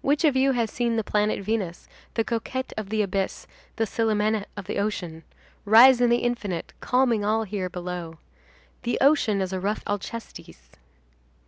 Which of you has seen the planet Venus, the coquette of the abyss, the Célimène of the ocean, rise in the infinite, calming all here below? The ocean is a rough Alcestis.